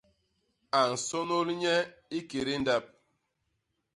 A nsônôl nye ikédé ndap.